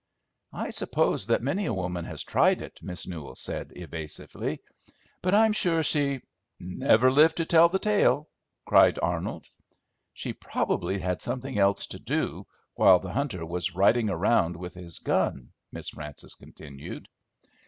"I suppose that many a woman has tried it," Miss Newell said evasively, "but I'm sure she" "Never lived to tell the tale?" cried Arnold. "She probably had something else to do, while the hunter was riding around with his gun," Miss Frances continued.